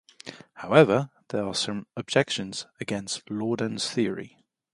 However, there are some objections against Laudan's theory.